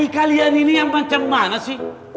kalian ini yang macam mana sih